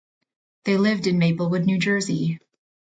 They lived in Maplewood, New Jersey.